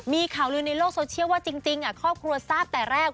มีข่าวลือในโลกโซเชียลว่าจริงครอบครัวทราบแต่แรก